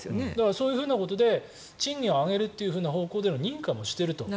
そういうふうなことで賃金を上げるという方向での認可もしていると。